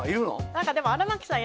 何かでも荒牧さん